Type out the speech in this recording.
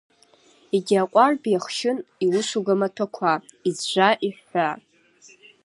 Егьи аҟәардә иахшьын иусуга маҭәақәа, иӡәӡәа-иҳәҳәа…